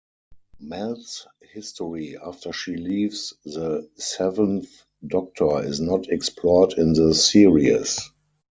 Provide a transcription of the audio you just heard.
Mel's history after she leaves the Seventh Doctor is not explored in the series.